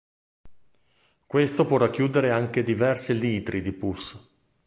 Questo può racchiudere anche diversi litri di pus.